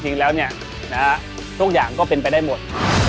จริงแล้วทุกอย่างก็เป็นไปได้หมด